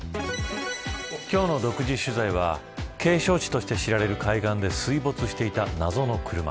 今日の独自取材は景勝地として知られる海岸で水没していた謎の車。